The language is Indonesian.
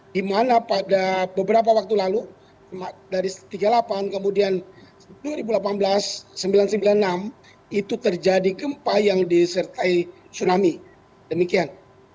di mana pada beberapa waktu lalu dari tiga puluh delapan kemudian dua ribu delapan belas seribu sembilan ratus sembilan puluh enam itu terjadi gempa yang disertai tsunami demikian